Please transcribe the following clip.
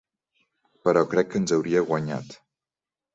Però crec que ens hauria guanyat.